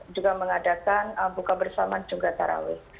juga mengadakan buka bersama juga tarawih